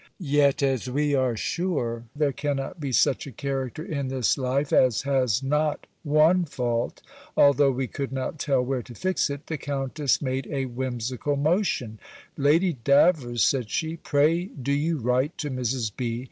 Yet, as we are sure, there cannot be such a character in this life as has not one fault, although we could not tell where to fix it, the countess made a whimsical motion: "Lady Davers," said she, "pray do you write to Mrs. B.